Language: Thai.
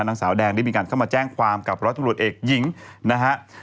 นางสาวแดงได้มีการเข้ามาแจ้งความกับร้อยตำรวจเอกหญิงนะฮะ